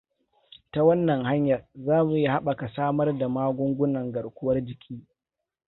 Ta wannan hanyar, zamu iya haɓaka samar da magungunan garkuwar jiki.